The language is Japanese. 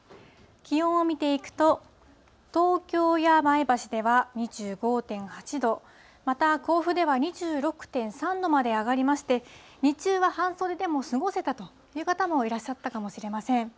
気温を見ていくと、東京や前橋では２５．８度、また甲府では２６．３度まで上がりまして、日中は半袖でも過ごせたという方もいらっしゃったかもしれません。